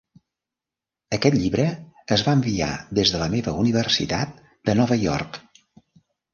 Aquest llibre es va enviar des de la meva universitat de Nova York.